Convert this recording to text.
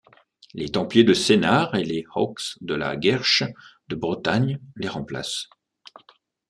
Les Templiers de Sénart et les Hawks de La Guerche de Bretagne les remplacent.